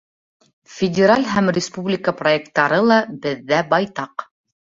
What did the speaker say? Федераль һәм республика проекттары ла беҙҙә байтаҡ.